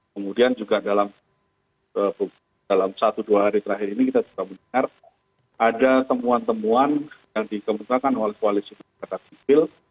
kemudian juga dalam satu dua hari terakhir ini kita juga mendengar ada temuan temuan yang dikemukakan oleh koalisi masyarakat sipil